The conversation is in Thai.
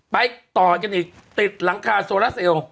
ไปต่อกันอีกติดหลังคาโซราเซล